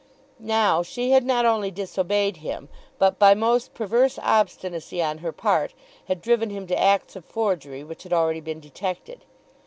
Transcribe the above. Now she had not only disobeyed him, but by most perverse obstinacy on her part had driven him to acts of forgery which had already been detected.